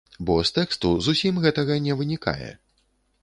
Бо з тэксту зусім гэтага не вынікае.